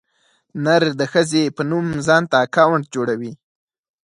نر د ښځې په نوم ځانته اکاونټ جوړوي.